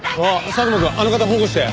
佐久間くんあの方保護して。